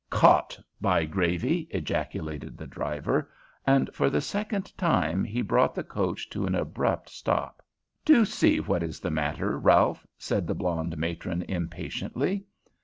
"Caught, by gravy!" ejaculated the driver, and, for the second time, he brought the coach to an abrupt stop. "Do see what is the matter, Ralph," said the blonde matron impatiently.